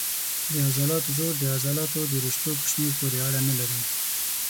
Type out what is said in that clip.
د عضلاتو زور د عضلاتو د رشتو په شمېر پورې اړه نه لري.